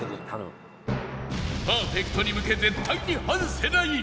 パーフェクトに向け絶対に外せない！